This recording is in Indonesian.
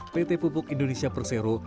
pt pupuk indonesia persero